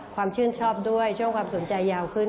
ความชื่นชอบด้วยช่วงความสนใจยาวขึ้น